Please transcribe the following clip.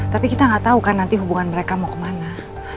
tapi kita nggak tahu kan nanti hubungan mereka mau kemana